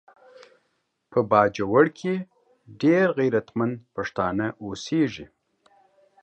په باجوړ کې ډیر غیرتمند پښتانه اوسیږي